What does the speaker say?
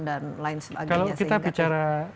dan lain sebagainya kalau kita bicara